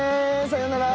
さよなら！